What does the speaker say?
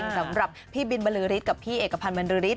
สำหรับพี่บินบรรลือริสต์กับพี่เอกพันธ์บรรลือริสต์